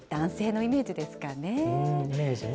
イメージね。